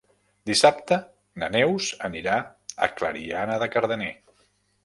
Dissabte na Neus anirà a Clariana de Cardener.